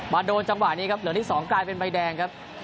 โดนจังหวะนี้ครับเหลืองที่๒กลายเป็นใบแดงครับ